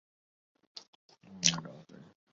آج شام کے وقت سے ہی میرے سر میں شدد درد شروع ہو گیا